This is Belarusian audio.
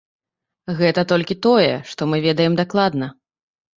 Гэта толькі тое, што мы ведаем дакладна.